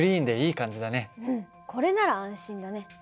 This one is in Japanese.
うんこれなら安心だね。